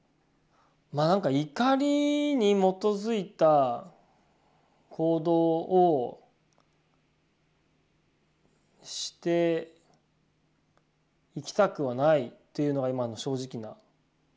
まあなんか怒りに基づいた行動をしていきたくはないというのが今の正直な感想ですね。